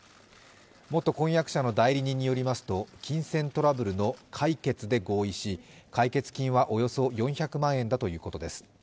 元婚約者の代理人によりますと、金銭トラブルの解決で合意し、解決金はおよそ４００万円だということです。